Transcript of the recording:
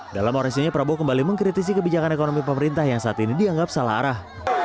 dalam orasinya prabowo kembali mengkritisi kebijakan ekonomi pemerintah yang saat ini dianggap salah arah